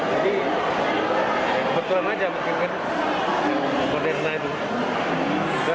jadi kebetulan saja menurutnya moderna itu